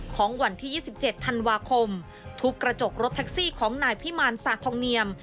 ของวันที่๒๗ธันวาคมทุบกระจกรถแท็กซี่ของนายพิมารสาทองเนียม